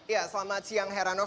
ya selamat siang heranov